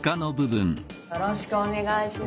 よろしくお願いします。